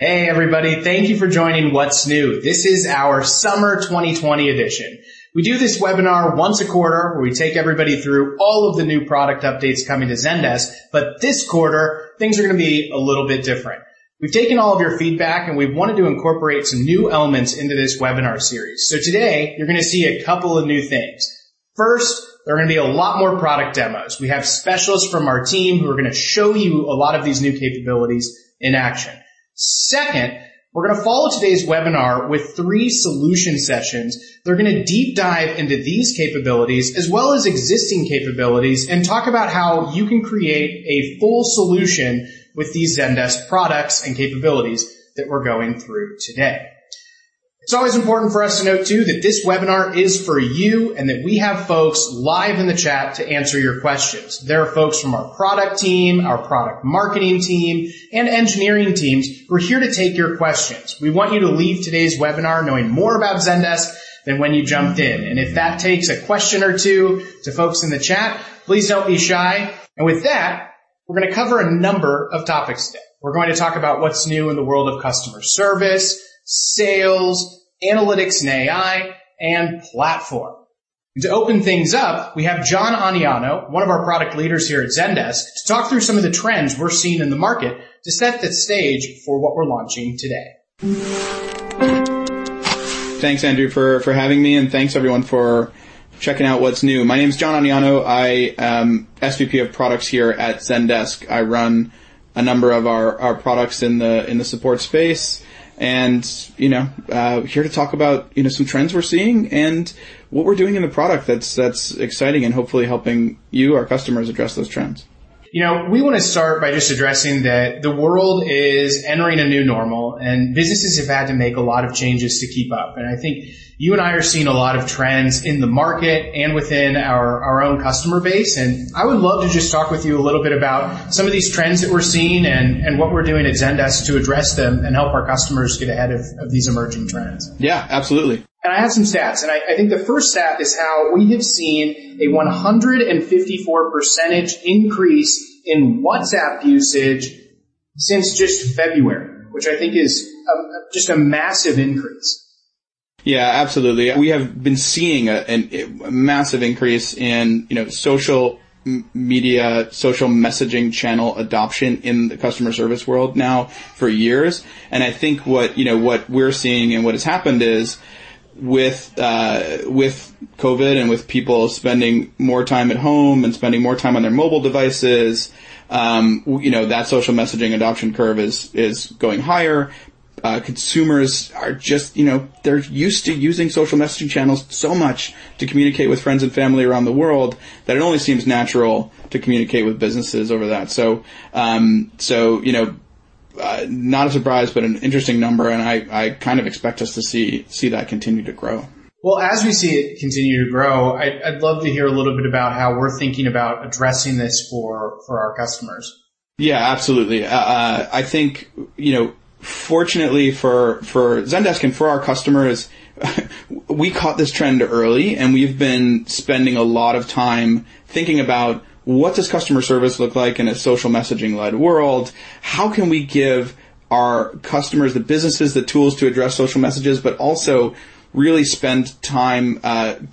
Hey everybody, thank you for joining What's New. This is our summer 2020 edition. We do this webinar once a quarter, where we take everybody through all of the new product updates coming to Zendesk. This quarter, things are going to be a little bit different. We've taken all of your feedback, and we wanted to incorporate some new elements into this webinar series. Today, you're going to see a couple of new things. First, there are going to be a lot more product demos. We have specialists from our team who are going to show you a lot of these new capabilities in action. Second, we're going to follow today's webinar with three solution sessions that are going to deep dive into these capabilities as well as existing capabilities, and talk about how you can create a full solution with these Zendesk products and capabilities that we're going through today. It's always important for us to note too, that this webinar is for you, and that we have folks live in the chat to answer your questions. There are folks from our product team, our Product Marketing team, and engineering teams who are here to take your questions. We want you to leave today's webinar knowing more about Zendesk than when you jumped in. If that takes a question or two to folks in the chat, please don't be shy. With that, we're going to cover a number of topics today. We're going to talk about what's new in the world of customer service, sales, analytics, and AI, and platform. To open things up, we have Jon Aniano, one of our product leaders here at Zendesk, to talk through some of the trends we're seeing in the market to set the stage for what we're launching today. Thanks, Andrew, for having me. Thanks everyone for checking out What's New. My name's Jon Aniano. I am SVP of products here at Zendesk. I run a number of our products in the support space. Here to talk about some trends we're seeing and what we're doing in the product that's exciting and hopefully helping you, our customers, address those trends. We want to start by just addressing that the world is entering a new normal, and businesses have had to make a lot of changes to keep up. I think you and I are seeing a lot of trends in the market and within our own customer base. I would love to just talk with you a little bit about some of these trends that we're seeing and what we're doing at Zendesk to address them and help our customers get ahead of these emerging trends. Yeah, absolutely. I have some stats. I think the first stat is how we have seen a 154% increase in WhatsApp usage since just February, which I think is just a massive increase. Absolutely. We have been seeing a massive increase in social media, social messaging channel adoption in the customer service world now for years. I think what we're seeing and what has happened is with COVID and with people spending more time at home and spending more time on their mobile devices, that social messaging adoption curve is going higher. Consumers, they're used to using social messaging channels so much to communicate with friends and family around the world, that it only seems natural to communicate with businesses over that. Not a surprise, but an interesting number, and I kind of expect us to see that continue to grow. Well, as we see it continue to grow, I'd love to hear a little bit about how we're thinking about addressing this for our customers. Yeah, absolutely. I think fortunately for Zendesk and for our customers, we caught this trend early, and we've been spending a lot of time thinking about what does customer service look like in a social messaging-led world? How can we give our customers, the businesses, the tools to address social messages, but also really spend time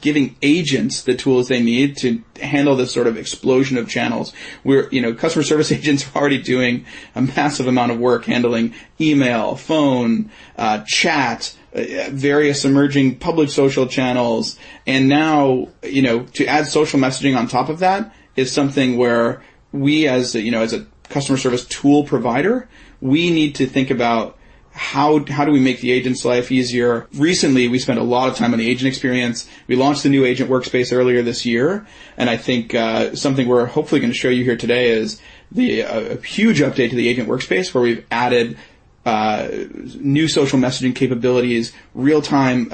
giving agents the tools they need to handle this sort of explosion of channels? Customer service agents are already doing a massive amount of work handling email, phone, chat, various emerging public social channels. Now, to add social messaging on top of that is something where we as a customer service tool provider, we need to think about how do we make the agent's life easier. Recently, we spent a lot of time on the agent experience. We launched the new Agent Workspace earlier this year. I think something we're hopefully going to show you here today is a huge update to the Agent Workspace, where we've added new social messaging capabilities, real-time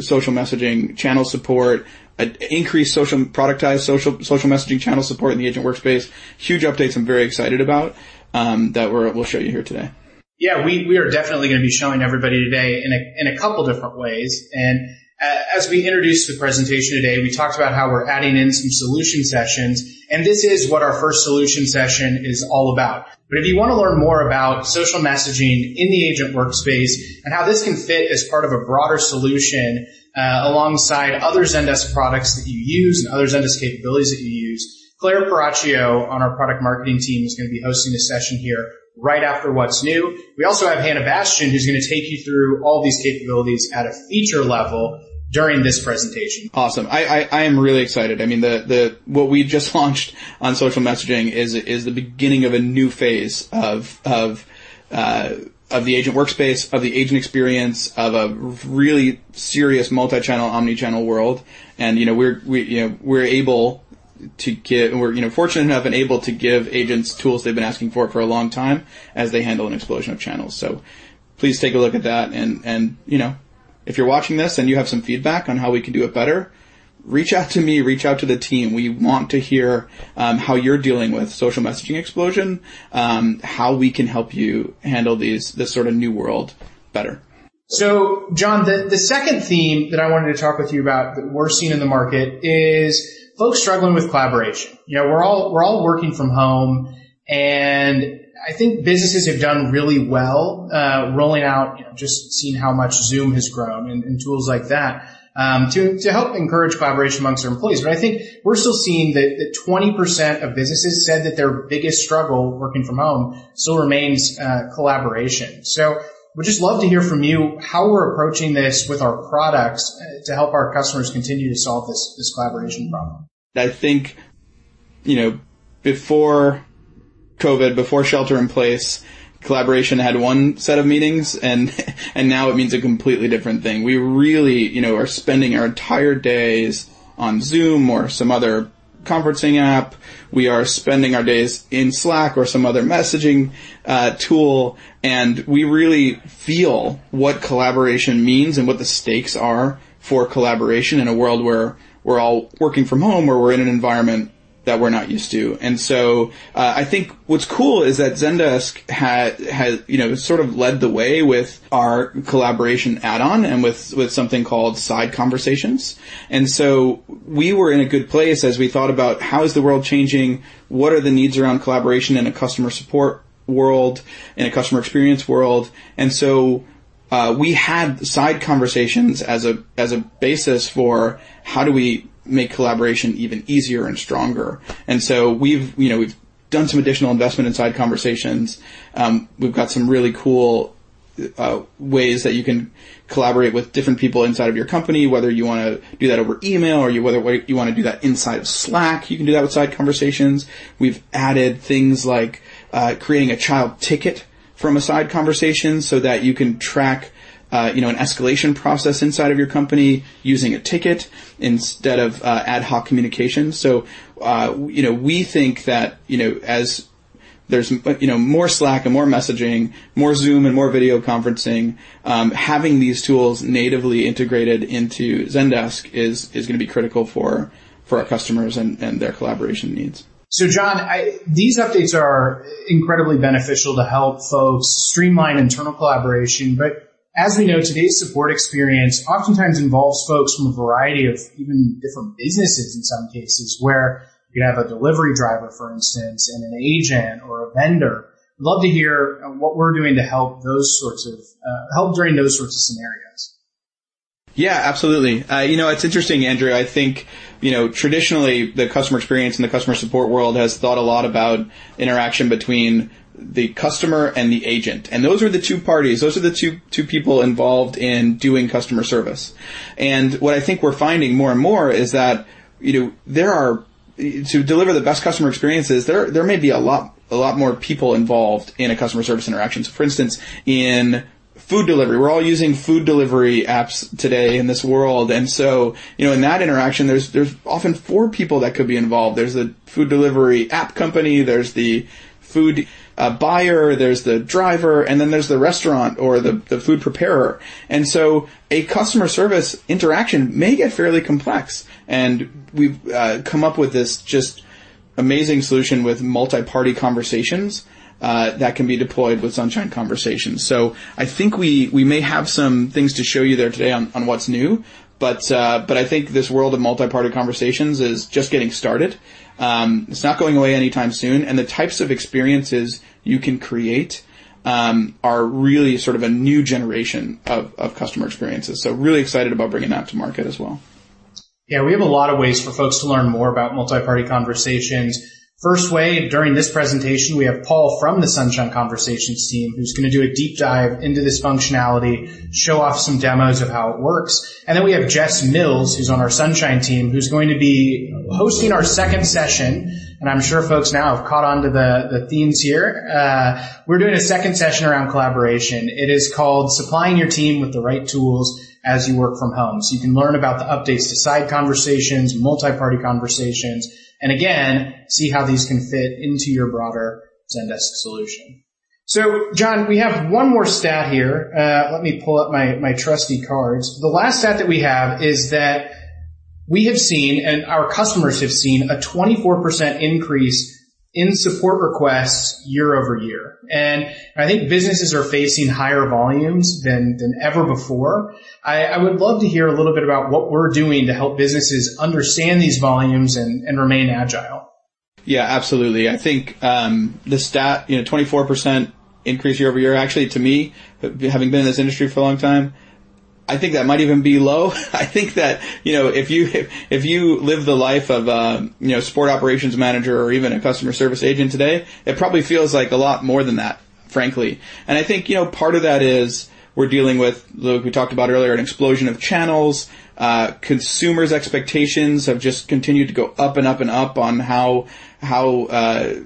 social messaging channel support, increased productized social messaging channel support in the Agent Workspace. Huge updates I'm very excited about that we'll show you here today. Yeah, we are definitely going to be showing everybody today in a couple different ways. As we introduced the presentation today, we talked about how we're adding in some solution sessions, and this is what our first solution session is all about. If you want to learn more about social messaging in the Agent Workspace and how this can fit as part of a broader solution alongside other Zendesk products that you use and other Zendesk capabilities that you use, Claire Peracchio on our Product Marketing team is going to be hosting a session here right after What's New. We also have Hannah Bastian, who's going to take you through all these capabilities at a feature level during this presentation. Awesome. I am really excited. What we've just launched on social messaging is the beginning of a new phase of the Agent Workspace, of the agent experience, of a really serious multi-channel, omni-channel world. We're fortunate enough and able to give agents tools they've been asking for a long time, as they handle an explosion of channels. Please take a look at that, and if you're watching this and you have some feedback on how we can do it better, reach out to me, reach out to the team. We want to hear how you're dealing with social messaging explosion, how we can help you handle this sort of new world better. Jon, the second theme that I wanted to talk with you about that we're seeing in the market is folks struggling with collaboration. We're all working from home, and I think businesses have done really well rolling out, just seeing how much Zoom has grown, and tools like that, to help encourage collaboration amongst their employees. I think we're still seeing that 20% of businesses said that their biggest struggle working from home still remains collaboration. Would just love to hear from you how we're approaching this with our products to help our customers continue to solve this collaboration problem. I think, before COVID, before shelter in place, collaboration had one set of meanings, and now it means a completely different thing. We really are spending our entire days on Zoom or some other conferencing app. We are spending our days in Slack or some other messaging tool, and we really feel what collaboration means and what the stakes are for collaboration in a world where we're all working from home, where we're in an environment that we're not used to. I think what's cool is that Zendesk has sort of led the way with our collaboration add-on and with something called Side Conversations. We were in a good place as we thought about how is the world changing, what are the needs around collaboration in a customer support world, in a customer experience world. We had Side Conversations as a basis for how do we make collaboration even easier and stronger. We've done some additional investment in Side Conversations. We've got some really cool ways that you can collaborate with different people inside of your company, whether you want to do that over email or you whether you want to do that inside of Slack, you can do that with Side Conversations. We've added things like creating a child ticket from a Side Conversation so that you can track an escalation process inside of your company using a ticket instead of ad hoc communication. We think that as there's more Slack and more messaging, more Zoom and more video conferencing, having these tools natively integrated into Zendesk is going to be critical for our customers and their collaboration needs. Jon, these updates are incredibly beneficial to help folks streamline internal collaboration. As we know, today's support experience oftentimes involves folks from a variety of even different businesses in some cases where you have a delivery driver, for instance, and an agent or a vendor. Love to hear what we're doing to help during those sorts of scenarios. Yeah, absolutely. It's interesting, Andrew. I think, traditionally, the customer experience and the customer support world has thought a lot about interaction between the customer and the agent. Those are the two parties, those are the two people involved in doing customer service. What I think we're finding more and more is that, to deliver the best customer experiences, there may be a lot more people involved in a customer service interaction. For instance, in food delivery. We're all using food delivery apps today in this world. In that interaction, there's often four people that could be involved. There's the food delivery app company, there's the food buyer, there's the driver, and then there's the restaurant or the food preparer. A customer service interaction may get fairly complex. We've come up with this just amazing solution with Sunshine Multi-Party Conversations that can be deployed with Zendesk Sunshine Conversations. I think we may have some things to show you there today on What's New. I think this world of multi-party conversations is just getting started. It's not going away anytime soon. The types of experiences you can create are really sort of a new generation of customer experiences. Really excited about bringing that to market as well. Yeah, we have a lot of ways for folks to learn more about Multi-Party Conversations. First way, during this presentation, we have Paul from the Sunshine Conversations team who's going to do a deep dive into this functionality, show off some demos of how it works. We have Jess Mills, who's on our Sunshine team, who's going to be hosting our second session. I'm sure folks now have caught on to the themes here. We're doing a second session around collaboration. It is called Supplying Your Team with the Right Tools as You Work from Home. You can learn about the updates to Side Conversations, Multi-Party Conversations, and again, see how these can fit into your broader Zendesk solution. Jon, we have one more stat here. Let me pull up my trusty cards. The last stat that we have is that we have seen, and our customers have seen, a 24% increase in support requests year-over-year. I think businesses are facing higher volumes than ever before. I would love to hear a little bit about what we're doing to help businesses understand these volumes and remain agile. Yeah, absolutely. I think the stat, 24% increase year-over-year, actually, to me, having been in this industry for a long time, I think that might even be low. I think that if you live the life of a support operations manager or even a customer service agent today, it probably feels like a lot more than that, frankly. I think part of that is we're dealing with, like we talked about earlier, an explosion of channels. Consumers' expectations have just continued to go up and up and up on the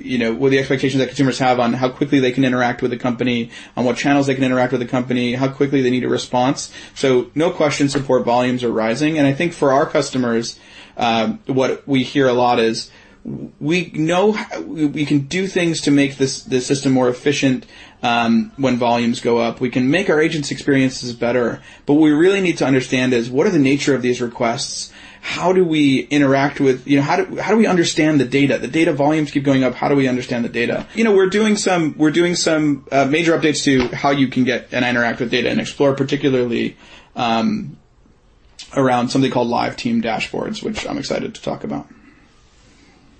expectations that consumers have on how quickly they can interact with a company, on what channels they can interact with a company, how quickly they need a response. No question support volumes are rising. I think for our customers, what we hear a lot is, we know we can do things to make the system more efficient when volumes go up. We can make our agents' experiences better. What we really need to understand is what are the nature of these requests? How do we understand the data? The data volumes keep going up. How do we understand the data? We're doing some major updates to how you can get and interact with data in Explore, particularly around something called Live Team Dashboards, which I'm excited to talk about.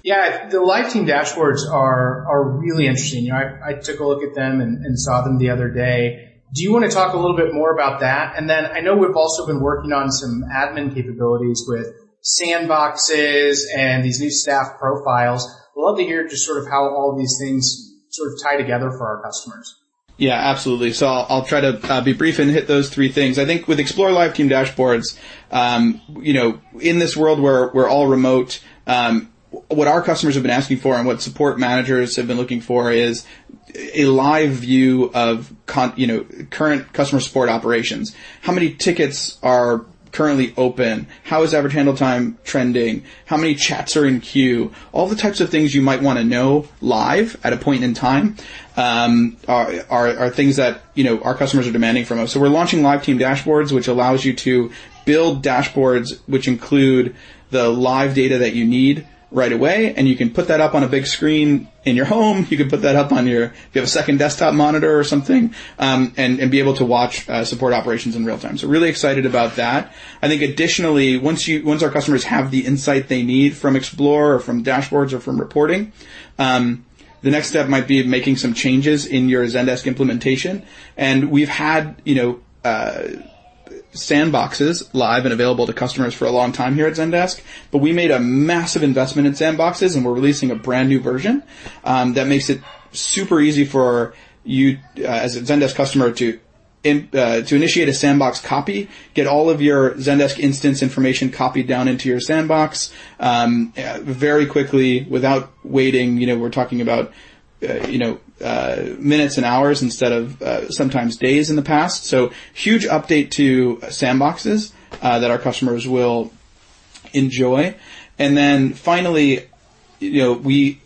Yeah. The Live Team Dashboards are really interesting. I took a look at them and saw them the other day. Do you want to talk a little bit more about that? I know we've also been working on some admin capabilities with Sandbox and these new staff profiles. I'd love to hear just sort of how all these things sort of tie together for our customers. Yeah, absolutely. I'll try to be brief and hit those three things. I think with Explore Live Team Dashboards, in this world where we're all remote, what our customers have been asking for and what support managers have been looking for is a live view of current customer support operations. How many tickets are currently open? How is average handle time trending? How many chats are in queue? All the types of things you might want to know live at a point in time are things that our customers are demanding from us. We're launching Live Team Dashboards, which allows you to build dashboards which include the live data that you need right away, and you can put that up on a big screen in your home. You could put that up on your If you have a second desktop monitor or something, and be able to watch support operations in real time. Really excited about that. I think additionally, once our customers have the insight they need from Explore or from dashboards or from reporting, the next step might be making some changes in your Zendesk implementation. We've had Sandboxes live and available to customers for a long time here at Zendesk. We made a massive investment in Sandboxes. We're releasing a brand-new version that makes it super easy for you as a Zendesk customer to initiate a Sandbox copy, get all of your Zendesk instance information copied down into your Sandbox very quickly without waiting. We're talking about minutes and hours instead of sometimes days in the past. Huge update to Sandboxes that our customers will enjoy. Then finally, we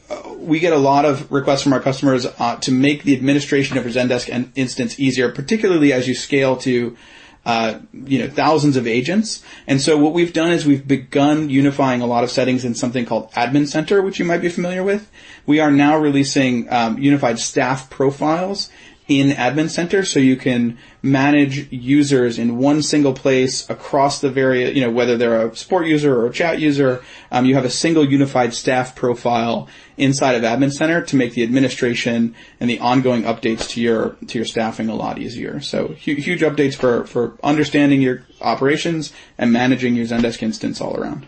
get a lot of requests from our customers to make the administration of a Zendesk instance easier, particularly as you scale to thousands of agents. So what we've done is we've begun unifying a lot of settings in something called Admin Center, which you might be familiar with. We are now releasing unified staff profiles in Admin Center so you can manage users in one single place across the very whether they're a support user or a chat user. You have a single unified staff profile inside of Admin Center to make the administration and the ongoing updates to your staffing a lot easier. Huge updates for understanding your operations and managing your Zendesk instance all around.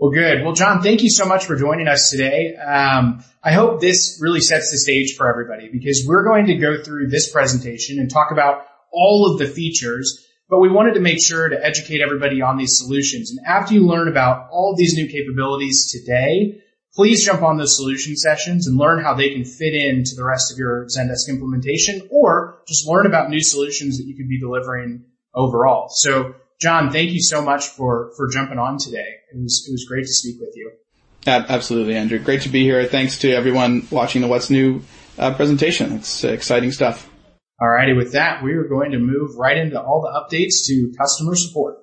Well, good. Well, Jon, thank you so much for joining us today. I hope this really sets the stage for everybody because we're going to go through this presentation and talk about all of the features, but we wanted to make sure to educate everybody on these solutions. After you learn about all these new capabilities today, please jump on those solution sessions and learn how they can fit into the rest of your Zendesk implementation, or just learn about new solutions that you could be delivering overall. Jon, thank you so much for jumping on today. It was great to speak with you. Absolutely, Andrew. Great to be here. Thanks to everyone watching the What's New presentation. It's exciting stuff. All righty. With that, we are going to move right into all the updates to customer support.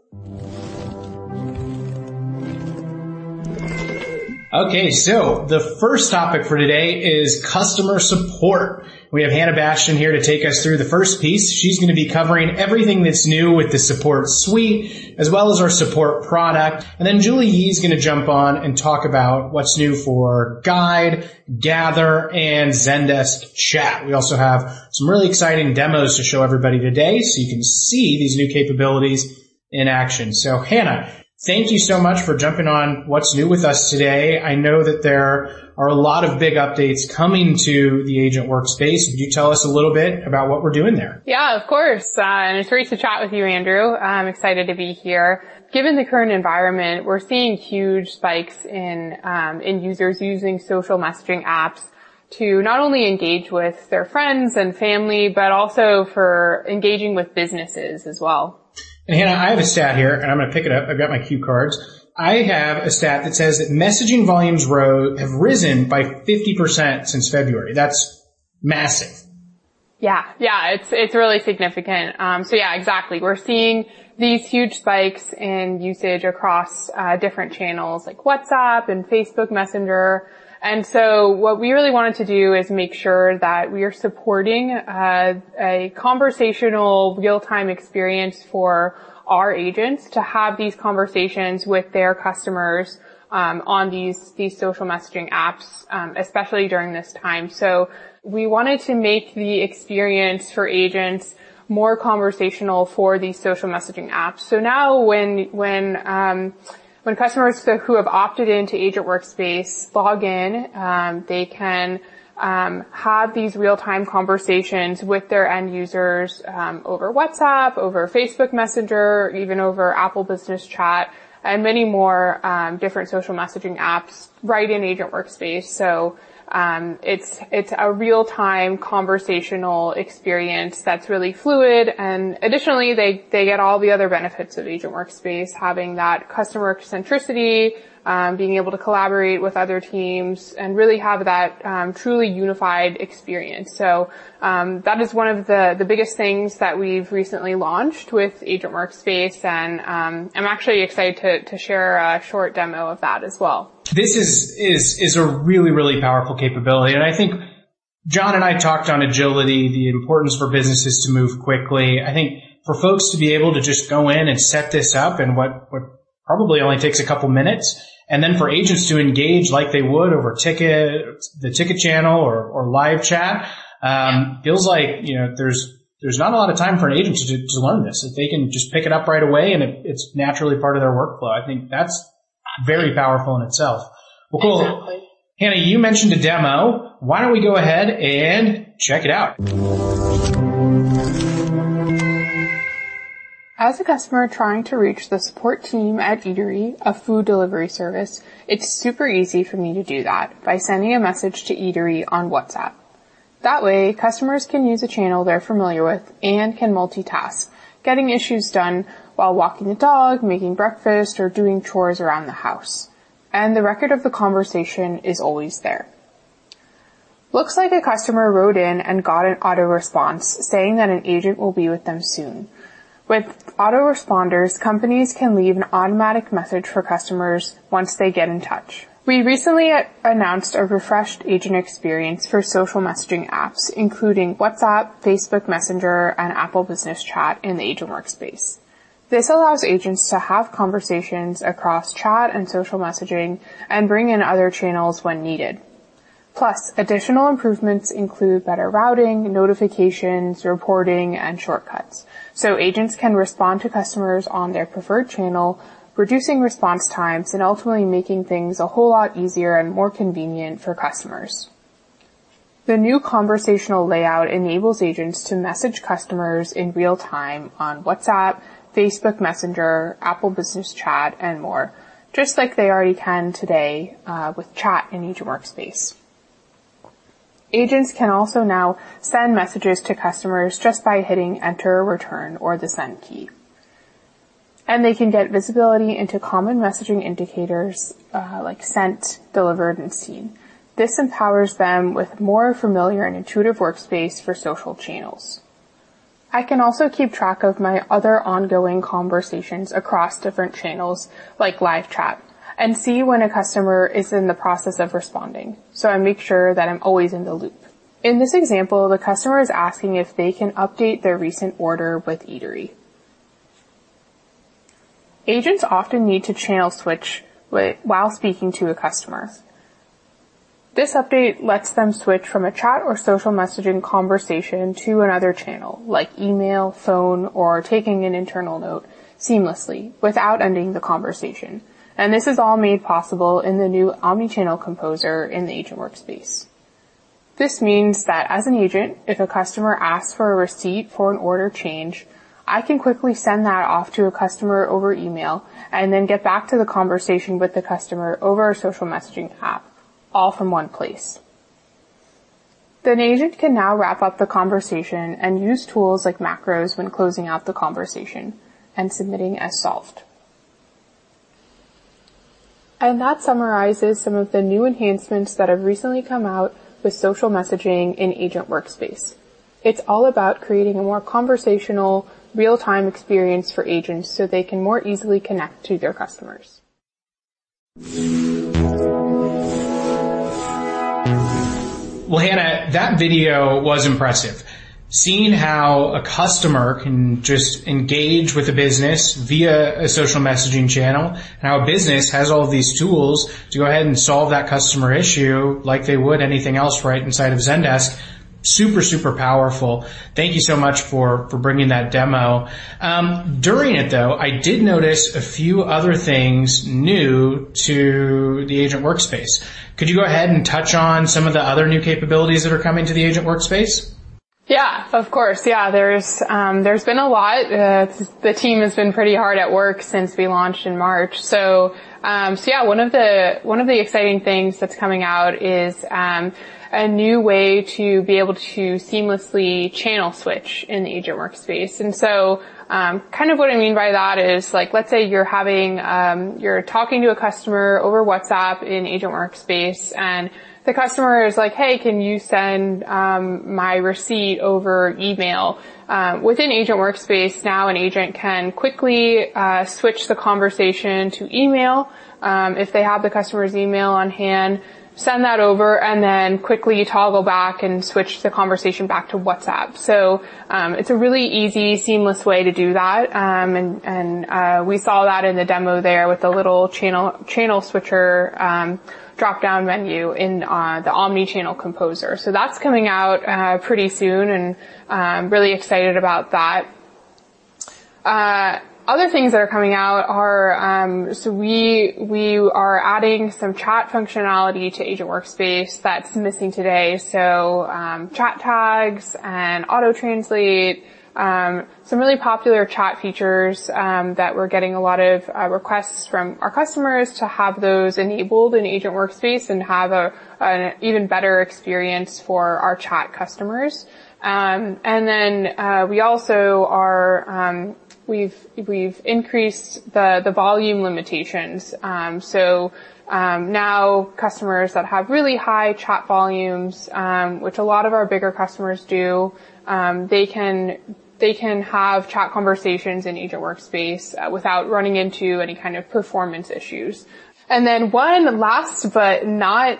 The first topic for today is customer support. We have Hannah Bastian here to take us through the first piece. She's going to be covering everything that's new with the support suite as well as our support product. Julie Yee is going to jump on and talk about what's new for Guide, Gather, and Zendesk Chat. We also have some really exciting demos to show everybody today, so you can see these new capabilities in action. Hannah, thank you so much for jumping on What's New with us today. I know that there are a lot of big updates coming to the Agent Workspace. Could you tell us a little bit about what we're doing there? Yeah, of course. It's great to chat with you, Andrew. I'm excited to be here. Given the current environment, we're seeing huge spikes in users using social messaging apps to not only engage with their friends and family, but also for engaging with businesses as well. Hannah, I have a stat here, and I'm going to pick it up. I've got my cue cards. I have a stat that says that messaging volumes have risen by 50% since February. That's massive. Yeah. It's really significant. Yeah, exactly. We're seeing these huge spikes in usage across different channels like WhatsApp and Facebook Messenger. What we really wanted to do is make sure that we are supporting a conversational real-time experience for our agents to have these conversations with their customers on these social messaging apps, especially during this time. We wanted to make the experience for agents more conversational for these social messaging apps. Now when customers who have opted into Agent Workspace log in, they can have these real-time conversations with their end users over WhatsApp, over Facebook Messenger, even over Apple Business Chat, and many more different social messaging apps right in Agent Workspace. It's a real-time conversational experience that's really fluid, and additionally, they get all the other benefits of Agent Workspace, having that customer centricity, being able to collaborate with other teams, and really have that truly unified experience. That is one of the biggest things that we've recently launched with Agent Workspace, and I'm actually excited to share a short demo of that as well. This is a really powerful capability, and Jon and I talked on agility, the importance for businesses to move quickly. I think for folks to be able to just go in and set this up in what probably only takes a couple minutes, and then for agents to engage like they would over the ticket channel or live chat feels like there's not a lot of time for an agent to learn this. If they can just pick it up right away and it's naturally part of their workflow, I think that's very powerful in itself. Well, cool. Exactly. Hannah, you mentioned a demo. Why don't we go ahead and check it out? As a customer trying to reach the support team at Eatery, a food delivery service, it's super easy for me to do that by sending a message to Eatery on WhatsApp. That way, customers can use a channel they're familiar with and can multitask, getting issues done while walking the dog, making breakfast, or doing chores around the house. The record of the conversation is always there. Looks like a customer wrote in and got an autoresponse saying that an agent will be with them soon. With autoresponders, companies can leave an automatic message for customers once they get in touch. We recently announced a refreshed agent experience for social messaging apps, including WhatsApp, Facebook Messenger, and Apple Messages for Business in the Agent Workspace. This allows agents to have conversations across chat and social messaging and bring in other channels when needed. Additional improvements include better routing, notifications, reporting, and shortcuts, so agents can respond to customers on their preferred channel, reducing response times and ultimately making things a whole lot easier and more convenient for customers. The new conversational layout enables agents to message customers in real time on WhatsApp, Facebook Messenger, Apple Messages for Business, and more, just like they already can today with chat in Agent Workspace. Agents can also now send messages to customers just by hitting Enter, Return, or the Send key. They can get visibility into common messaging indicators like sent, delivered, and seen. This empowers them with more familiar and intuitive workspace for social channels. I can also keep track of my other ongoing conversations across different channels, like live chat, and see when a customer is in the process of responding. I make sure that I'm always in the loop. In this example, the customer is asking if they can update their recent order with Eatery. Agents often need to channel switch while speaking to a customer. This update lets them switch from a chat or social messaging conversation to another channel, like email, phone, or taking an internal note seamlessly without ending the conversation. This is all made possible in the new Omnichannel Composer in the Agent Workspace. This means that as an agent, if a customer asks for a receipt for an order change, I can quickly send that off to a customer over email and then get back to the conversation with the customer over a social messaging app, all from one place. Agent can now wrap up the conversation and use tools like macros when closing out the conversation and submitting as solved. That summarizes some of the new enhancements that have recently come out with social messaging in Agent Workspace. It's all about creating a more conversational, real-time experience for agents so they can more easily connect to their customers. Well, Hannah, that video was impressive. Seeing how a customer can just engage with a business via a social messaging channel, and how a business has all these tools to go ahead and solve that customer issue like they would anything else right inside of Zendesk, super powerful. Thank you so much for bringing that demo. During it, though, I did notice a few other things new to the Agent Workspace. Could you go ahead and touch on some of the other new capabilities that are coming to the Agent Workspace? Of course. There's been a lot. The team has been pretty hard at work since we launched in March. One of the exciting things that's coming out is a new way to be able to seamlessly channel switch in the Zendesk Agent Workspace. What I mean by that is, let's say you're talking to a customer over WhatsApp in Zendesk Agent Workspace, and the customer is like, "Hey, can you send my receipt over email?" Within Zendesk Agent Workspace, now an agent can quickly switch the conversation to email if they have the customer's email on hand, send that over, quickly toggle back and switch the conversation back to WhatsApp. It's a really easy, seamless way to do that, and we saw that in the demo there with the little channel switcher drop-down menu in the Omnichannel Composer. That's coming out pretty soon, and I'm really excited about that. Other things that are coming out are, we are adding some chat functionality to Agent Workspace that's missing today. Chat tags and auto translate. Some really popular chat features that we're getting a lot of requests from our customers to have those enabled in Agent Workspace and have an even better experience for our chat customers. Then we also increased the volume limitations. Now customers that have really high chat volumes, which a lot of our bigger customers do, they can have chat conversations in Agent Workspace without running into any kind of performance issues. Then one last, but not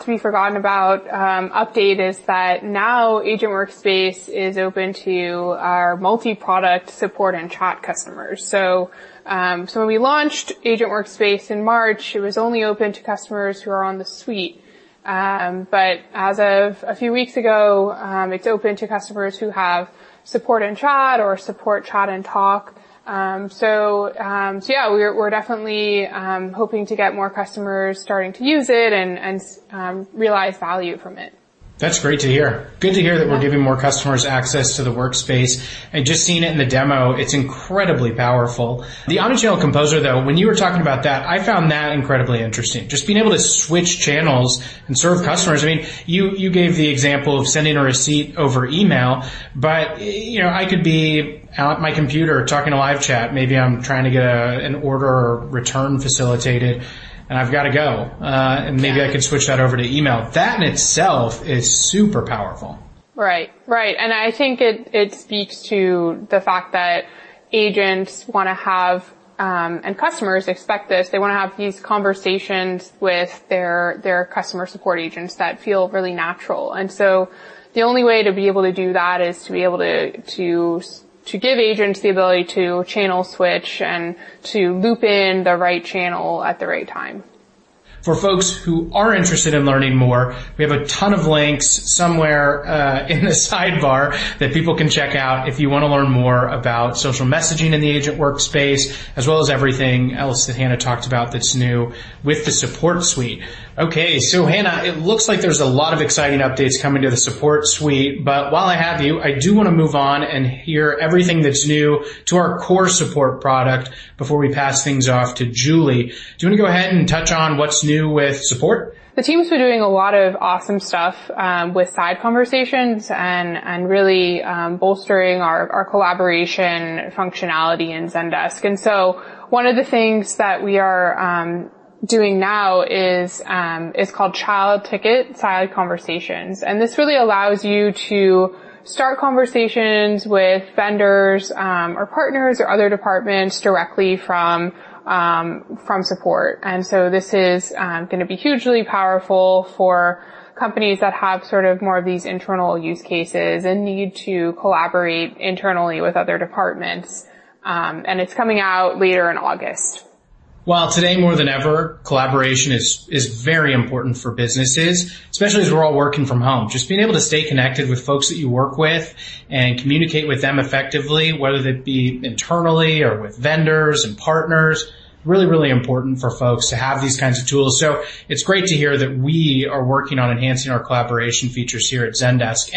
to be forgotten about update is that now Agent Workspace is open to our multi-product support and chat customers. When we launched Agent Workspace in March, it was only open to customers who are on the Suite. As of a few weeks ago, it's open to customers who have Support and Chat or Support, Chat, and Talk. Yeah, we're definitely hoping to get more customers starting to use it and realize value from it. That's great to hear. Good to hear that we're giving more customers access to the workspace, and just seeing it in the demo, it's incredibly powerful. The Omnichannel Composer, though, when you were talking about that, I found that incredibly interesting. Just being able to switch channels and serve customers. You gave the example of sending a receipt over email, but I could be at my computer talking to live chat. Maybe I'm trying to get an order or return facilitated, and I've got to go. Maybe I could switch that over to email. That in itself is super powerful. Right. I think it speaks to the fact that agents want to have, and customers expect this, they want to have these conversations with their customer support agents that feel really natural. The only way to be able to do that is to be able to give agents the ability to channel switch and to loop in the right channel at the right time. For folks who are interested in learning more, we have a ton of links somewhere in the sidebar that people can check out if you want to learn more about social messaging in the Agent Workspace, as well as everything else that Hannah talked about that's new with the Support Suite. Okay. Hannah, it looks like there's a lot of exciting updates coming to the Support Suite, but while I have you, I do want to move on and hear everything that's new to our core support product before we pass things off to Julie. Do you want to go ahead and touch on what's new with support? The team's been doing a lot of awesome stuff with Side Conversations and really bolstering our collaboration functionality in Zendesk. One of the things that we are doing now is called Side conversation child tickets, and this really allows you to start conversations with vendors or partners or other departments directly from support. This is going to be hugely powerful for companies that have more of these internal use cases and need to collaborate internally with other departments. It's coming out later in August. Well, today more than ever, collaboration is very important for businesses, especially as we're all working from home. Just being able to stay connected with folks that you work with and communicate with them effectively, whether that be internally or with vendors and partners, really important for folks to have these kinds of tools. It's great to hear that we are working on enhancing our collaboration features here at Zendesk.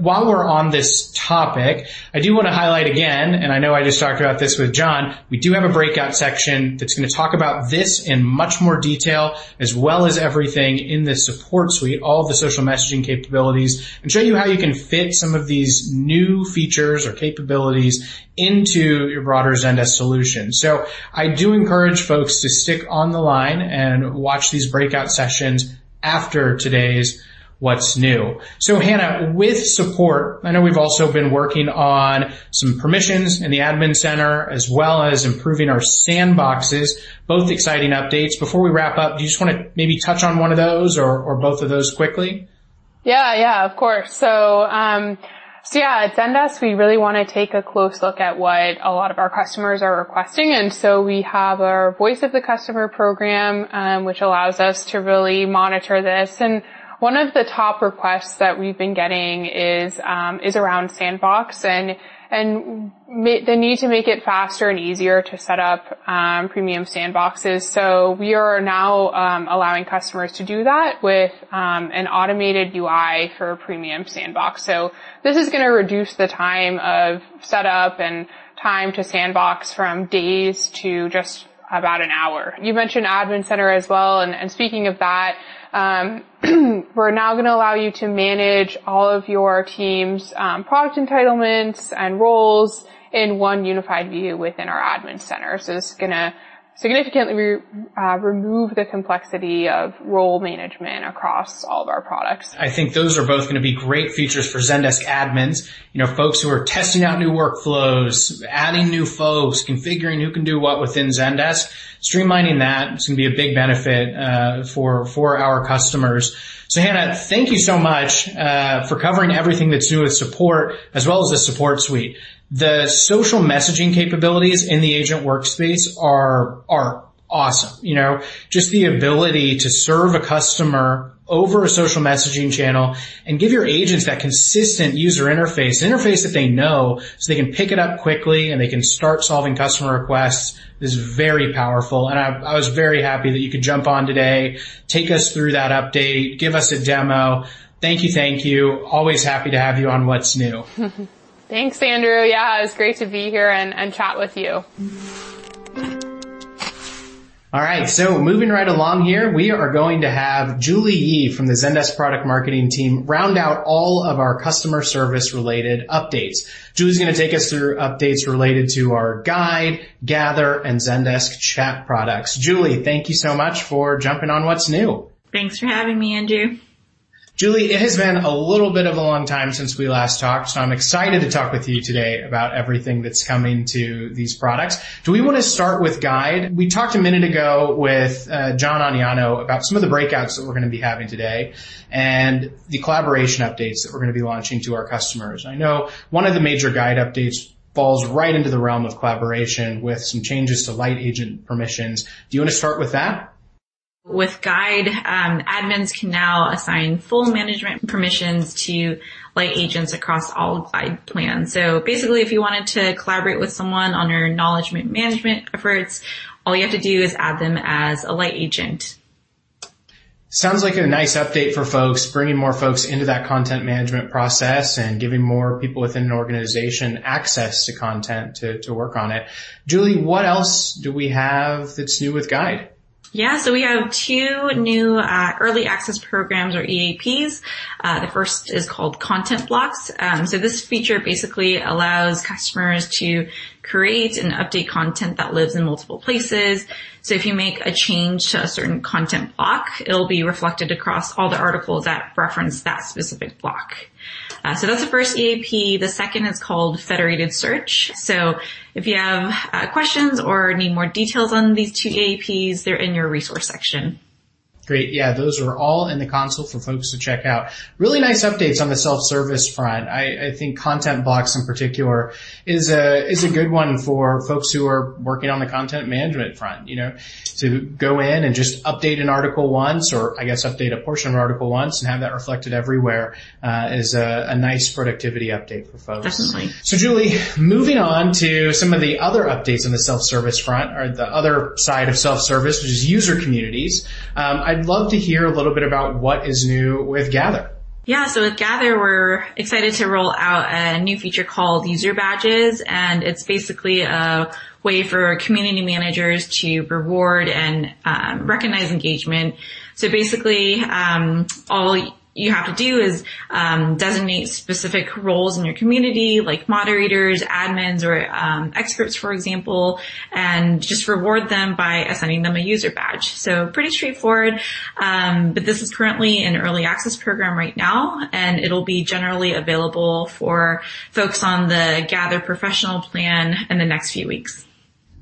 While we're on this topic, I do want to highlight again, and I know I just talked about this with Jon, we do have a breakout section that's going to talk about this in much more detail, as well as everything in the support suite, all of the social messaging capabilities, and show you how you can fit some of these new features or capabilities into your broader Zendesk solution. I do encourage folks to stick on the line and watch these breakout sessions after today's What's New. Hannah, with support, I know we've also been working on some permissions in the Admin Center as well as improving our Sandbox, both exciting updates. Before we wrap up, do you just want to maybe touch on one of those or both of those quickly? Yeah. Of course. At Zendesk, we really want to take a close look at what a lot of our customers are requesting, and so we have our Voice of the Customer program, which allows us to really monitor this. One of the top requests that we've been getting is around Sandbox and the need to make it faster and easier to set up Premium Sandbox. We are now allowing customers to do that with an automated UI for Premium Sandbox. This is going to reduce the time of setup and time to Sandbox from days to just about an hour. You mentioned Admin Center as well, speaking of that, we're now going to allow you to manage all of your team's product entitlements and roles in one unified view within our Admin Center. This is going to significantly remove the complexity of role management across all of our products. I think those are both going to be great features for Zendesk admins. Folks who are testing out new workflows, adding new folks, configuring who can do what within Zendesk, streamlining that is going to be a big benefit for our customers. Hannah, thank you so much for covering everything that's new with support as well as the support suite. The social messaging capabilities in the Agent Workspace are awesome. Just the ability to serve a customer over a social messaging channel and give your agents that consistent user interface that they know, so they can pick it up quickly, and they can start solving customer requests, is very powerful, and I was very happy that you could jump on today, take us through that update, give us a demo. Thank you. Always happy to have you on What's New. Thanks, Andrew. Yeah, it was great to be here and chat with you. All right, moving right along here, we are going to have Julie Yee from the Zendesk Product Marketing team round out all of our customer service-related updates. Julie's going to take us through updates related to our Guide, Gather, and Zendesk Chat products. Julie, thank you so much for jumping on What's New. Thanks for having me, Andrew. Julie, it has been a little bit of a long time since we last talked, so I'm excited to talk with you today about everything that's coming to these products. Do we want to start with Guide? We talked a minute ago with Jon Aniano about some of the breakouts that we're going to be having today and the collaboration updates that we're going to be launching to our customers. I know one of the major Guide updates falls right into the realm of collaboration with some changes to light agent permissions. Do you want to start with that? With Guide, admins can now assign full management permissions to Light Agents across all Guide plans. Basically, if you wanted to collaborate with someone on your knowledge management efforts, all you have to do is add them as a Light Agent Sounds like a nice update for folks, bringing more folks into that content management process and giving more people within an organization access to content to work on it. Julie, what else do we have that's new with Guide? Yeah. We have two new Early Access Programs, or EAPs. The first is called Content Blocks. This feature basically allows customers to create and update content that lives in multiple places. If you make a change to a certain content block, it'll be reflected across all the articles that reference that specific block. That's the first EAP. The second is called Federated Search. If you have questions or need more details on these two EAPs, they're in your resource section. Great. Yeah. Those are all in the console for folks to check out. Really nice updates on the self-service front. I think Content Blocks in particular is a good one for folks who are working on the content management front. To go in and just update an article once, or I guess update a portion of an article once and have that reflected everywhere, is a nice productivity update for folks. Definitely. Julie, moving on to some of the other updates in the self-service front, or the other side of self-service, which is user communities. I'd love to hear a little bit about what is new with Gather. Yeah. With Gather, we're excited to roll out a new feature called User Badges, it's basically a way for community managers to reward and recognize engagement. Basically, all you have to do is designate specific roles in your community, like moderators, admins, or experts, for example, just reward them by assigning them a user badge. Pretty straightforward. This is currently in Early Access Programs right now, it'll be generally available for folks on the Gather Professional Plan in the next few weeks.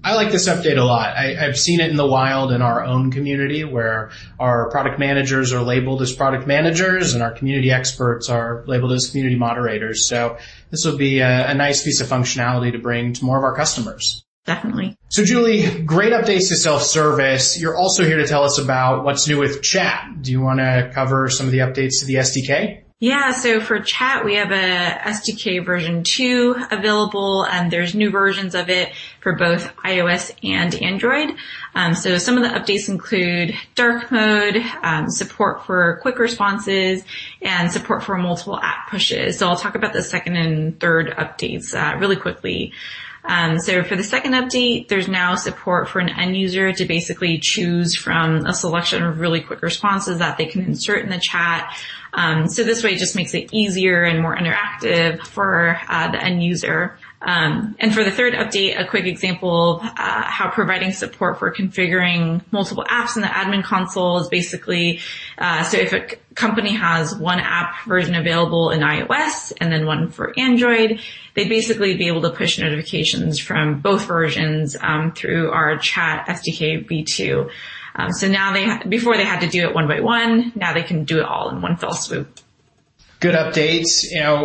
I like this update a lot. I've seen it in the wild in our own community, where our product managers are labeled as product managers, and our community experts are labeled as community moderators. This would be a nice piece of functionality to bring to more of our customers. Definitely. Julie, great updates to self-service. You're also here to tell us about What's New with Chat. Do you want to cover some of the updates to the SDK? Yeah. For Chat, we have SDK v2 available, and there's new versions of it for both iOS and Android. Some of the updates include dark mode, support for quick responses, and support for multiple app pushes. I'll talk about the second and third updates really quickly. For the second update, there's now support for an end user to basically choose from a selection of really quick responses that they can insert in the Zendesk Chat. This way, it just makes it easier and more interactive for the end user. For the third update, a quick example how providing support for configuring multiple apps in the admin console is basically, so if a company has one app version available in iOS and then one for Android, they'd basically be able to push notifications from both versions through our Chat SDK v2. Before, they had to do it one by one. Now they can do it all in one fell swoop. Good updates.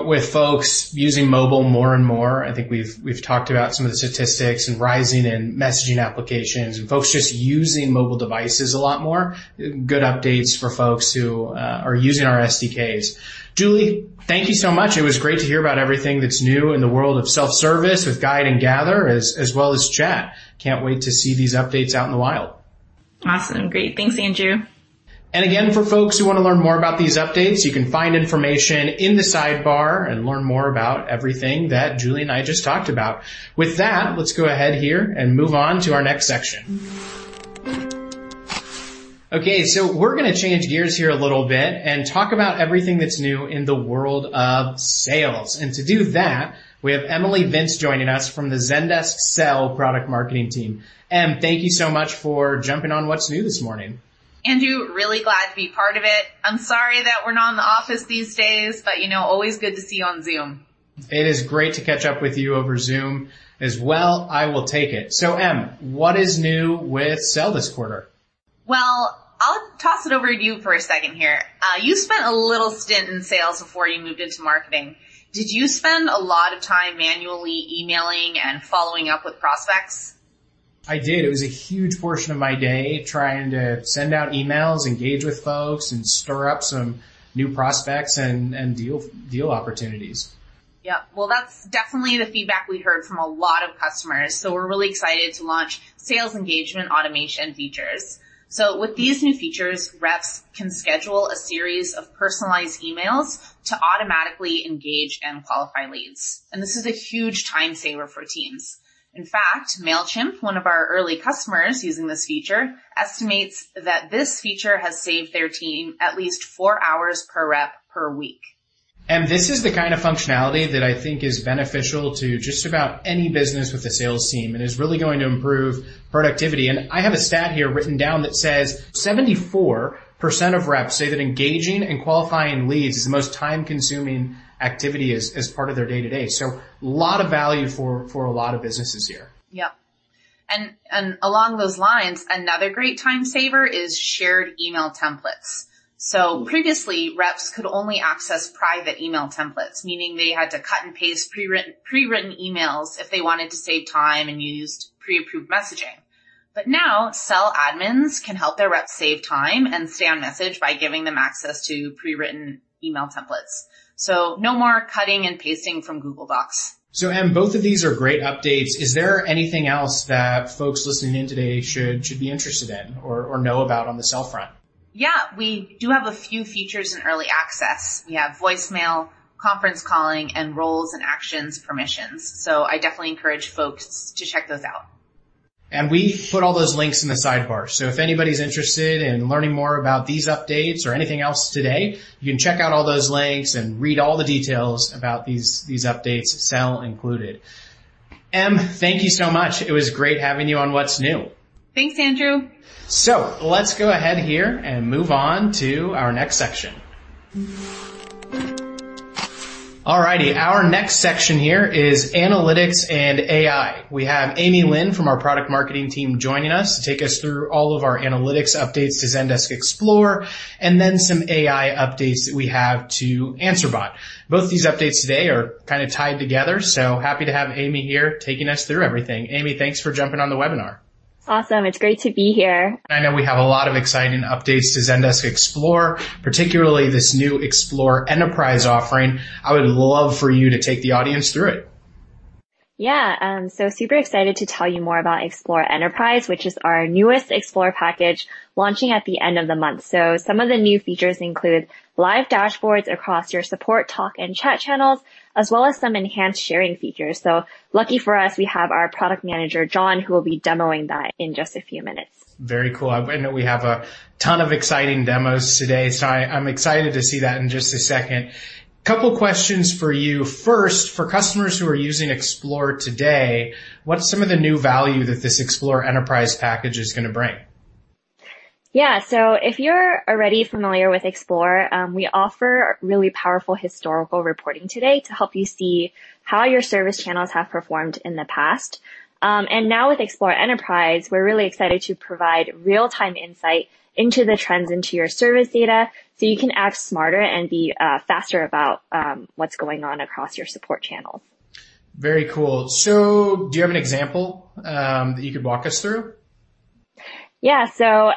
With folks using mobile more and more, I think we've talked about some of the statistics and rising in messaging applications, and folks just using mobile devices a lot more. Good updates for folks who are using our SDKs. Julie, thank you so much. It was great to hear about everything that's new in the world of self-service with Guide and Gather, as well as Chat. Can't wait to see these updates out in the wild. Awesome. Great. Thanks, Andrew. Again, for folks who want to learn more about these updates, you can find information in the sidebar and learn more about everything that Julie and I just talked about. With that, let's go ahead here and move on to our next section. We're going to change gears here a little bit and talk about everything that's new in the world of sales. To do that, we have Emily Vince joining us from the Zendesk Sell product marketing team. Em, thank you so much for jumping on What's New this morning. Andrew, really glad to be part of it. I'm sorry that we're not in the office these days, but always good to see you on Zoom. It is great to catch up with you over Zoom as well. I will take it. Em, what is new with Sell this quarter? Well, I'll toss it over to you for a second here. You spent a little stint in sales before you moved into marketing. Did you spend a lot of time manually emailing and following up with prospects? I did. It was a huge portion of my day trying to send out emails, engage with folks, and stir up some new prospects and deal opportunities. Yep. Well, that's definitely the feedback we heard from a lot of customers. We're really excited to launch sales engagement automation features. With these new features, reps can schedule a series of personalized emails to automatically engage and qualify leads. This is a huge time saver for teams. In fact, Mailchimp, one of our early customers using this feature, estimates that this feature has saved their team at least four hours per rep per week. This is the kind of functionality that I think is beneficial to just about any business with a sales team and is really going to improve productivity. I have a stat here written down that says 74% of reps say that engaging and qualifying leads is the most time-consuming activity as part of their day-to-day. Lot of value for a lot of businesses here. Yep. Along those lines, another great time saver is shared email templates. Previously, reps could only access private email templates, meaning they had to cut and paste pre-written emails if they wanted to save time and used pre-approved messaging. Now, Sell admins can help their reps save time and stay on message by giving them access to pre-written email templates. No more cutting and pasting from Google Docs. Em, both of these are great updates. Is there anything else that folks listening in today should be interested in or know about on the Sell front? We do have a few features in early access. We have voicemail, conference calling, and roles and actions permissions. I definitely encourage folks to check those out. We put all those links in the sidebar. If anybody's interested in learning more about these updates or anything else today, you can check out all those links and read all the details about these updates, Sell included. Emily, thank you so much. It was great having you on "What's New. Thanks, Andrew. Let's go ahead here and move on to our next section. Alrighty, our next section here is analytics and AI. We have Amy Lin from our Product Marketing team joining us to take us through all of our analytics updates to Zendesk Explore, and then some AI updates that we have to Answer Bot. Both these updates today are kind of tied together. Happy to have Amy here taking us through everything. Amy, thanks for jumping on the webinar. Awesome. It's great to be here. I know we have a lot of exciting updates to Zendesk Explore, particularly this new Explore Enterprise offering. I would love for you to take the audience through it. Super excited to tell you more about Explore Enterprise, which is our newest Explore package launching at the end of the month. Some of the new features include Live Team Dashboards across your Support, Talk, and Chat channels, as well as some enhanced sharing features. Lucky for us, we have our product manager, Jon, who will be demoing that in just a few minutes. Very cool. I know we have a ton of exciting demos today, so I'm excited to see that in just a second. Couple questions for you. First, for customers who are using Explore today, what's some of the new value that this Explore Enterprise package is gonna bring? If you're already familiar with Explore, we offer really powerful historical reporting today to help you see how your service channels have performed in the past. Now with Explore Enterprise, we're really excited to provide real-time insight into the trends into your service data, so you can act smarter and be faster about what's going on across your support channels. Very cool. Do you have an example that you could walk us through? Yeah.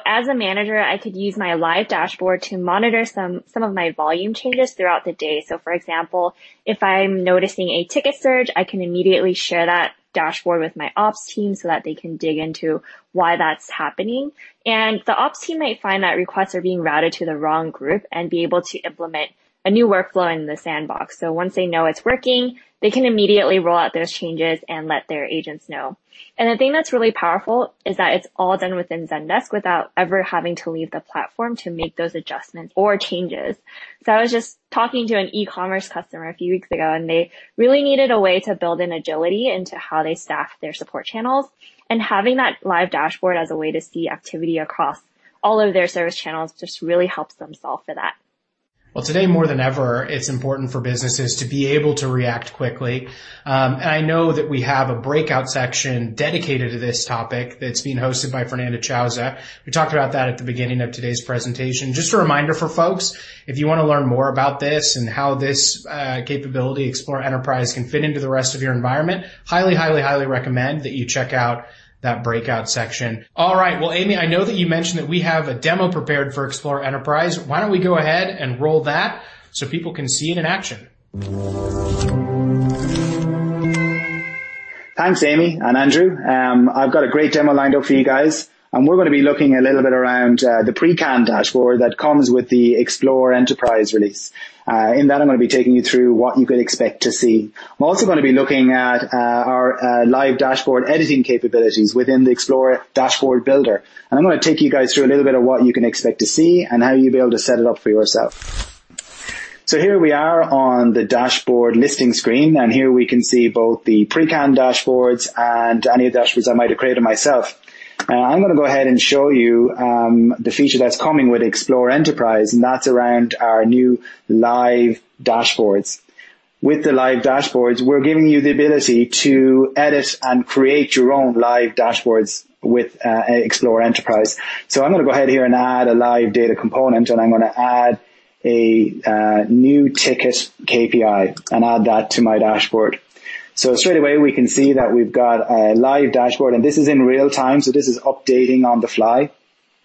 As a manager, I could use my Live Dashboard to monitor some of my volume changes throughout the day. For example, if I'm noticing a ticket surge, I can immediately share that Dashboard with my ops team so that they can dig into why that's happening. The ops team might find that requests are being routed to the wrong group and be able to implement a new workflow in the Sandbox. Once they know it's working, they can immediately roll out those changes and let their agents know. The thing that's really powerful is that it's all done within Zendesk without ever having to leave the platform to make those adjustments or changes. I was just talking to an e-commerce customer a few weeks ago, and they really needed a way to build in agility into how they staff their support channels. Having that live dashboard as a way to see activity across all of their service channels just really helps them solve for that. Well, today more than ever, it's important for businesses to be able to react quickly. I know that we have a breakout section dedicated to this topic that's being hosted by Fernanda Chávez. We talked about that at the beginning of today's presentation. Just a reminder for folks, if you want to learn more about this and how this capability, Explore Enterprise, can fit into the rest of your environment, highly recommend that you check out that breakout section. All right. Well, Amy, I know that you mentioned that we have a demo prepared for Explore Enterprise. Why don't we go ahead and roll that so people can see it in action. Thanks, Amy and Andrew. I've got a great demo lined up for you guys. We're going to be looking a little bit around the pre-canned dashboard that comes with the Explore Enterprise release. In that, I'm going to be taking you through what you could expect to see. I'm also going to be looking at our live dashboard editing capabilities within the Explore Dashboard Builder. I'm going to take you guys through a little bit of what you can expect to see and how you'll be able to set it up for yourself. Here we are on the dashboard listing screen. Here we can see both the pre-canned dashboards and any of the dashboards I might have created myself. I'm going to go ahead and show you the feature that's coming with Explore Enterprise. That's around our new live dashboards. With the live dashboards, we're giving you the ability to edit and create your own live dashboards with Zendesk Explore Enterprise. I'm going to go ahead here and add a live data component, and I'm going to add a new ticket KPI and add that to my dashboard. Straight away, we can see that we've got a live dashboard, and this is in real time, so this is updating on the fly.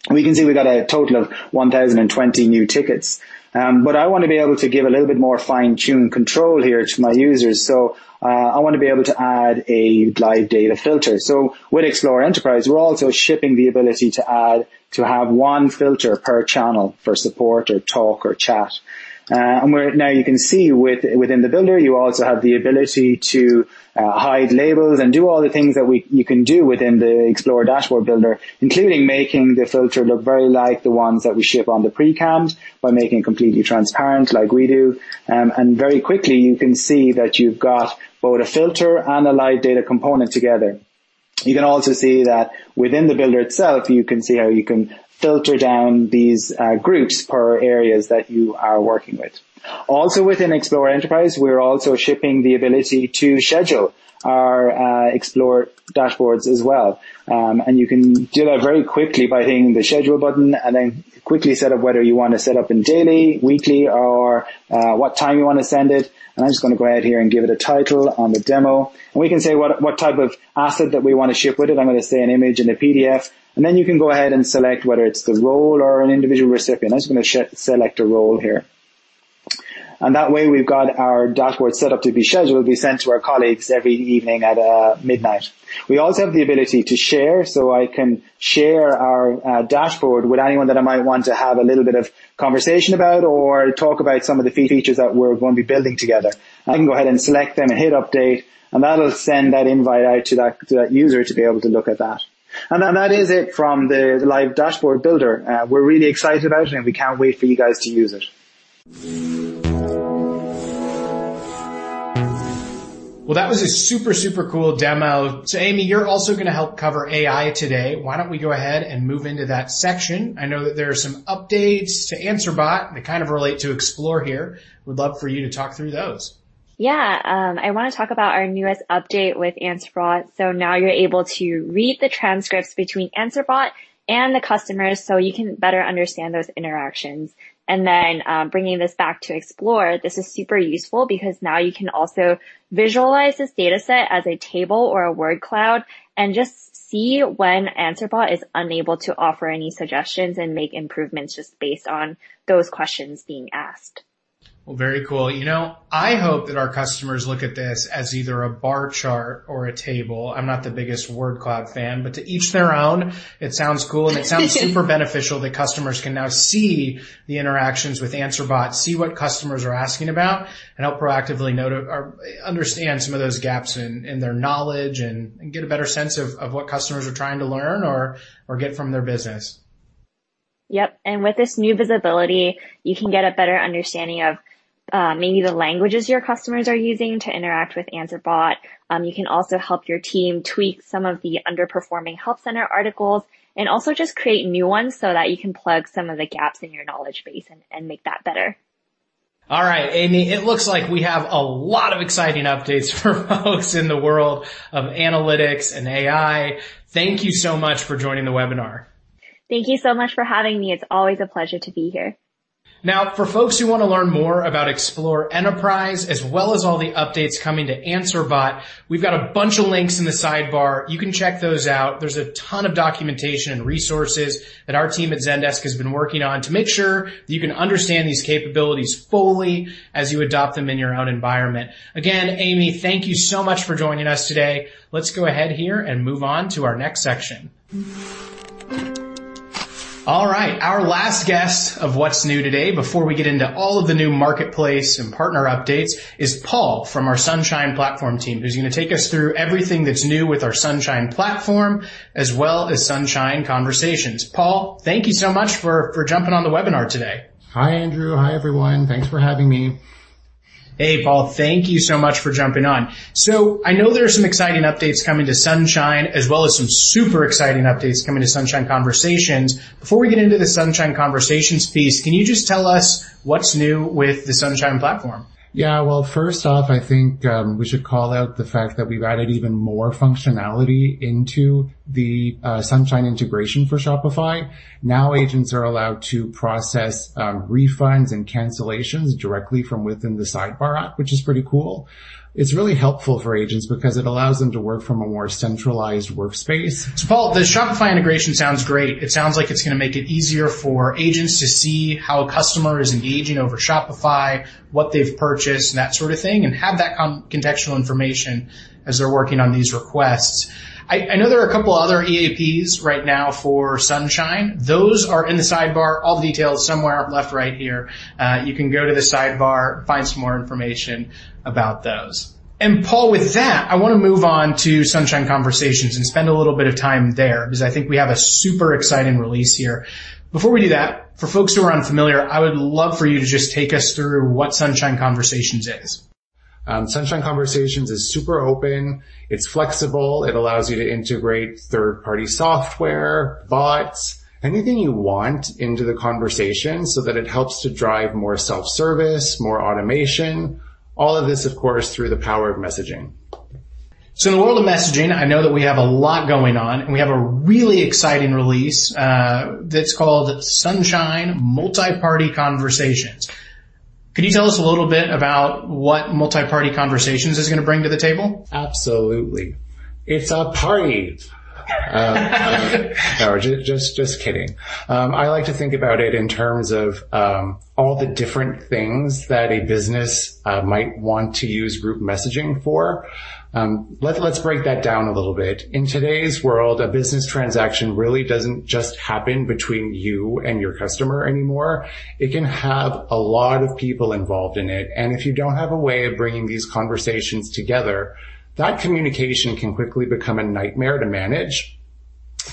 We can see we've got a total of 1,020 new tickets. I want to be able to give a little bit more fine-tune control here to my users. I want to be able to add a live data filter. With Zendesk Explore Enterprise, we're also shipping the ability to have one filter per channel for Support or Talk or Chat. Now you can see within the builder, you also have the ability to hide labels and do all the things that you can do within the Explore dashboard builder, including making the filter look very like the ones that we ship on the pre-canned by making it completely transparent like we do. Very quickly you can see that you've got both a filter and a live data component together. You can also see that within the builder itself, you can see how you can filter down these groups per areas that you are working with. Also within Explore Enterprise, we're also shipping the ability to schedule our Explore dashboards as well. You can do that very quickly by hitting the schedule button and then quickly set up whether you want to set up in daily, weekly, or what time you want to send it. I'm just going to go ahead here and give it a title on the demo. We can say what type of asset that we want to ship with it. I'm going to say an image and a PDF. Then you can go ahead and select whether it's the role or an individual recipient. I'm just going to select a role here. That way, we've got our dashboard set up to be scheduled to be sent to our colleagues every evening at midnight. We also have the ability to share, so I can share our dashboard with anyone that I might want to have a little bit of conversation about or talk about some of the key features that we're going to be building together. I can go ahead and select them and hit Update, that'll send that invite out to that user to be able to look at that. That is it from the live dashboard builder. We're really excited about it, and we can't wait for you guys to use it. Well, that was a super cool demo. Amy, you're also gonna help cover AI today. Why don't we go ahead and move into that section? I know that there are some updates to Answer Bot that kind of relate to Explore here. Would love for you to talk through those. I want to talk about our newest update with Answer Bot. Now you're able to read the transcripts between Answer Bot and the customers so you can better understand those interactions. Bringing this back to Explore, this is super useful because now you can also visualize this data set as a table or a word cloud and just see when Answer Bot is unable to offer any suggestions and make improvements just based on those questions being asked. Well, very cool. I hope that our customers look at this as either a bar chart or a table. I'm not the biggest word cloud fan. To each their own. It sounds cool. It sounds super beneficial that customers can now see the interactions with Answer Bot, see what customers are asking about, and help proactively understand some of those gaps in their knowledge and get a better sense of what customers are trying to learn or get from their business. Yep. With this new visibility, you can get a better understanding of maybe the languages your customers are using to interact with Answer Bot. You can also help your team tweak some of the underperforming help center articles, and also just create new ones so that you can plug some of the gaps in your knowledge base and make that better. All right, Amy, it looks like we have a lot of exciting updates for folks in the world of analytics and AI. Thank you so much for joining the webinar. Thank you so much for having me. It's always a pleasure to be here. For folks who want to learn more about Explore Enterprise, as well as all the updates coming to Answer Bot, we've got a bunch of links in the sidebar. You can check those out. There's a ton of documentation and resources that our team at Zendesk has been working on to make sure you can understand these capabilities fully as you adopt them in your own environment. Amy, thank you so much for joining us today. Let's go ahead here and move on to our next section. Our last guest of What's New today, before we get into all of the new marketplace and partner updates, is Paul from our Sunshine Platform team, who's going to take us through everything that's new with our Sunshine Platform, as well as Sunshine Conversations. Paul, thank you so much for jumping on the webinar today. Hi, Andrew. Hi, everyone. Thanks for having me. Hey, Paul. Thank you so much for jumping on. I know there are some exciting updates coming to Sunshine, as well as some super exciting updates coming to Sunshine Conversations. Before we get into the Sunshine Conversations piece, can you just tell us what's new with the Sunshine Platform? First off, I think we should call out the fact that we've added even more functionality into the Sunshine integration for Shopify. Agents are allowed to process refunds and cancellations directly from within the sidebar app, which is pretty cool. It's really helpful for agents because it allows them to work from a more centralized workspace. Paul, the Shopify integration sounds great. It sounds like it's gonna make it easier for agents to see how a customer is engaging over Shopify, what they've purchased, and that sort of thing, and have that contextual information as they're working on these requests. I know there are a couple other EAPs right now for Sunshine. Those are in the sidebar. All the details somewhere left or right here. You can go to the sidebar, find some more information about those. Paul, with that, I wanna move on to Sunshine Conversations and spend a little bit of time there because I think we have a super exciting release here. Before we do that, for folks who are unfamiliar, I would love for you to just take us through what Sunshine Conversations is. Sunshine Conversations is super open. It's flexible. It allows you to integrate third-party software, bots, anything you want into the conversation so that it helps to drive more self-service, more automation. All of this, of course, through the power of messaging. In the world of messaging, I know that we have a lot going on, and we have a really exciting release that's called Sunshine Multi-Party Conversations. Could you tell us a little bit about what Multi-Party Conversations is gonna bring to the table? Absolutely. It's a party. No, just kidding. I like to think about it in terms of all the different things that a business might want to use group messaging for. Let's break that down a little bit. In today's world, a business transaction really doesn't just happen between you and your customer anymore. It can have a lot of people involved in it. If you don't have a way of bringing these conversations together, that communication can quickly become a nightmare to manage.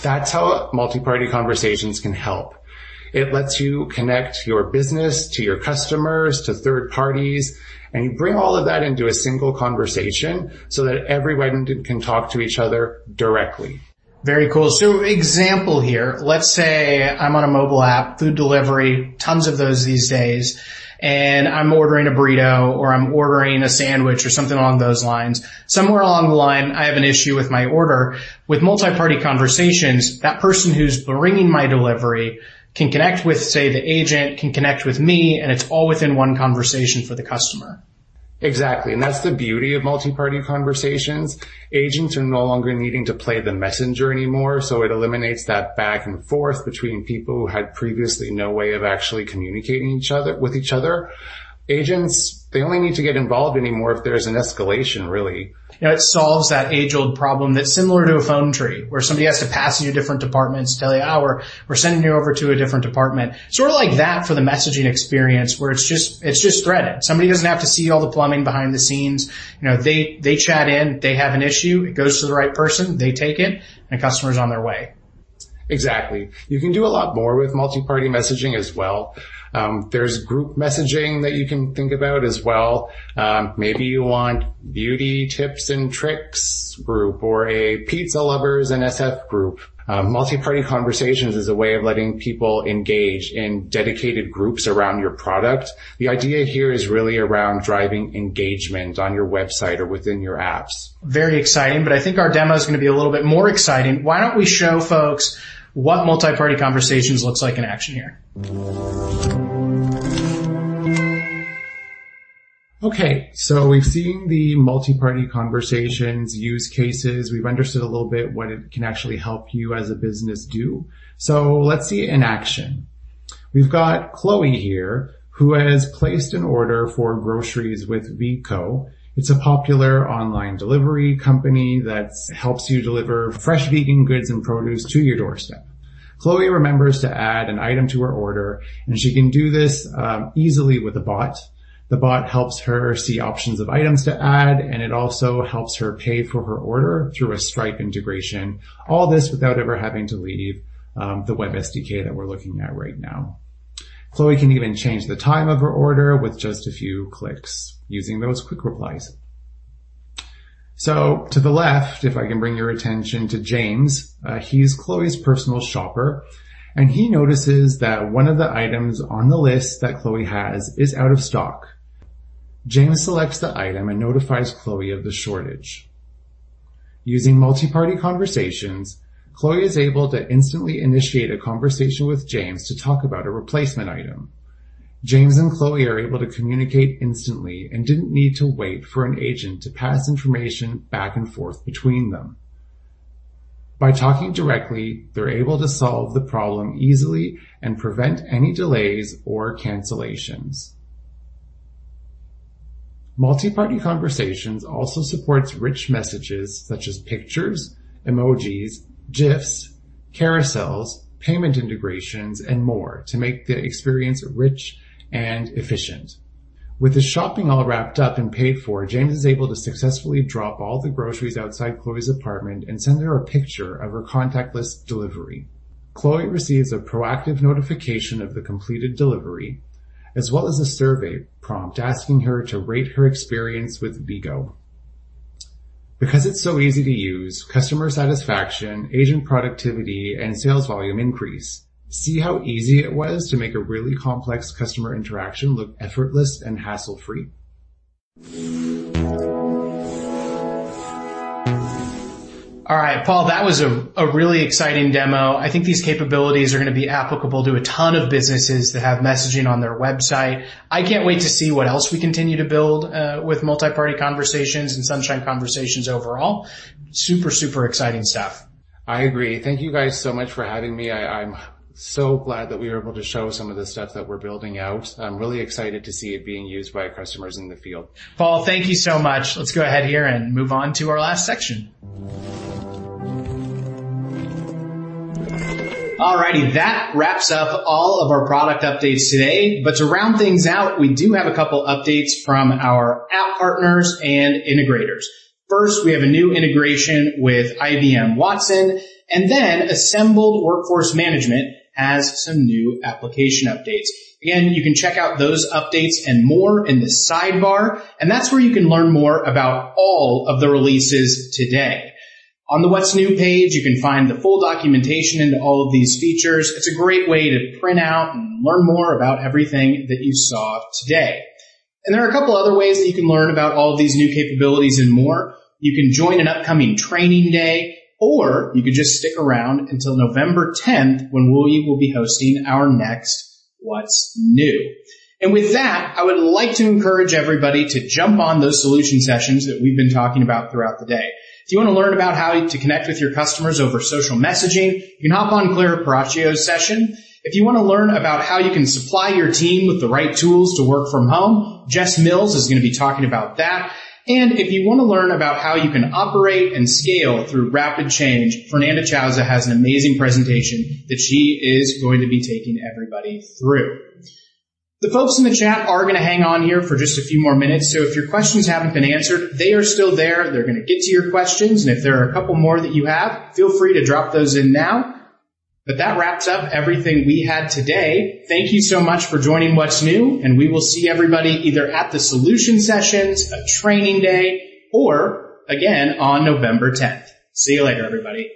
That's how Multi-Party Conversations can help. It lets you connect your business to your customers, to third parties, and you bring all of that into a single conversation so that everyone can talk to each other directly. Very cool. Example here, let's say I'm on a mobile app, food delivery, tons of those these days. I'm ordering a burrito or I'm ordering a sandwich or something along those lines. Somewhere along the line, I have an issue with my order. With Multi-Party Conversations, that person who's bringing my delivery can connect with, say, the agent, can connect with me, and it's all within one conversation for the customer. Exactly, that's the beauty of multi-party conversations. Agents are no longer needing to play the messenger anymore. It eliminates that back and forth between people who had previously no way of actually communicating with each other. Agents, they only need to get involved anymore if there's an escalation, really. It solves that age-old problem that's similar to a phone tree, where somebody has to pass you to different departments to tell you, "We're sending you over to a different department." Sort of like that for the messaging experience, where it's just threaded. Somebody doesn't have to see all the plumbing behind the scenes. They chat in, they have an issue, it goes to the right person, they take it, and the customer's on their way. Exactly. You can do a lot more with multi-party messaging as well. There's group messaging that you can think about as well. Maybe you want beauty tips and tricks group or a pizza lovers in SF group. Multi-party conversations is a way of letting people engage in dedicated groups around your product. The idea here is really around driving engagement on your website or within your apps. Very exciting, but I think our demo's going to be a little bit more exciting. Why don't we show folks what Multi-Party Conversations looks like in action here? We've seen the Multi-Party Conversations use cases. We've understood a little bit what it can actually help you as a business do. Let's see it in action. We've got Chloe here, who has placed an order for groceries with Veeco. It's a popular online delivery company that helps you deliver fresh vegan goods and produce to your doorstep. Chloe remembers to add an item to her order, she can do this easily with a bot. The bot helps her see options of items to add, it also helps her pay for her order through a Stripe integration. All this without ever having to leave the web SDK that we're looking at right now. Chloe can even change the time of her order with just a few clicks using those quick replies. To the left, if I can bring your attention to James, he's Chloe's personal shopper, and he notices that one of the items on the list that Chloe has is out of stock. James selects the item and notifies Chloe of the shortage. Using Multi-Party Conversations, Chloe is able to instantly initiate a conversation with James to talk about a replacement item. James and Chloe are able to communicate instantly and didn't need to wait for an agent to pass information back and forth between them. By talking directly, they're able to solve the problem easily and prevent any delays or cancellations. Multi-Party Conversations also supports rich messages such as pictures, emojis, GIFs, carousels, payment integrations, and more to make the experience rich and efficient. With the shopping all wrapped up and paid for, James is able to successfully drop all the groceries outside Chloe's apartment and send her a picture of her contactless delivery. Chloe receives a proactive notification of the completed delivery, as well as a survey prompt asking her to rate her experience with Veeco. Because it's so easy to use, customer satisfaction, agent productivity, and sales volume increase. See how easy it was to make a really complex customer interaction look effortless and hassle-free? All right, Paul, that was a really exciting demo. I think these capabilities are going to be applicable to a ton of businesses that have messaging on their website. I can't wait to see what else we continue to build with multi-party conversations and Sunshine Conversations overall. Super, super exciting stuff. I agree. Thank you guys so much for having me. I'm so glad that we were able to show some of the stuff that we're building out. I'm really excited to see it being used by customers in the field. Paul, thank you so much. Let's go ahead here and move on to our last section. All righty. That wraps up all of our product updates today, but to round things out, we do have a couple updates from our app partners and integrators. First, we have a new integration with IBM Watson, then Assembled Workforce Management has some new application updates. Again, you can check out those updates and more in the sidebar, and that's where you can learn more about all of the releases today. On the What's New page, you can find the full documentation into all of these features. It's a great way to print out and learn more about everything that you saw today. There are a couple other ways that you can learn about all of these new capabilities and more. You can join an upcoming training day, or you could just stick around until November 10th, when we will be hosting our next What's New. With that, I would like to encourage everybody to jump on those solution sessions that we've been talking about throughout the day. If you want to learn about how to connect with your customers over social messaging, you can hop on Clara Parracho's session. If you want to learn about how you can supply your team with the right tools to work from home, Jess Mills is going to be talking about that. If you want to learn about how you can operate and scale through rapid change, Fernanda Chávez has an amazing presentation that she is going to be taking everybody through. The folks in the chat are going to hang on here for just a few more minutes, so if your questions haven't been answered, they are still there. They're going to get to your questions, and if there are a couple more that you have, feel free to drop those in now. That wraps up everything we had today. Thank you so much for joining What's New, and we will see everybody either at the solution sessions, a training day, or again on November 10th. See you later, everybody.